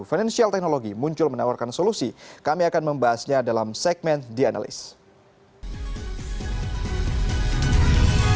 financial technology muncul menawarkan solusi kami akan membahasnya dalam segmen the analyst